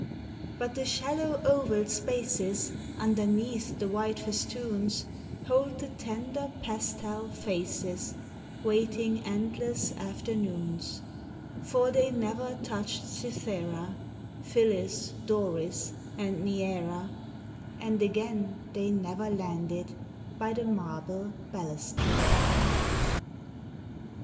But the shallow oval spaces Underneath the white festoons, Hold the tender pastel faces Waiting endless afternoons; For they never touched Cythera, Phyllis, Doris, and Neaera, And again they never landed by the marble balustrade.